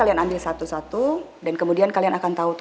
kalian lihat kertas di dalam mangkuk itu